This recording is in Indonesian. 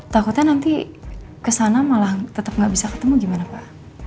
takutnya nanti kesana malah tetap nggak bisa ketemu gimana pak